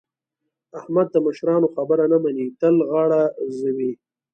احمد د مشرانو خبره نه مني؛ تل غاړه ځوي.